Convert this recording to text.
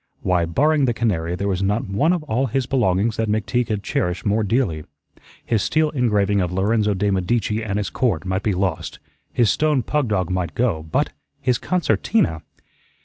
Why, barring the canary, there was not one of all his belongings that McTeague had cherished more dearly. His steel engraving of "Lorenzo de' Medici and his Court" might be lost, his stone pug dog might go, but his concertina!